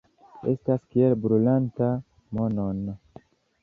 Estas kiel brulanta monon.